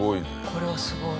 これはすごい。